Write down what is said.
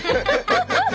ハハハハ！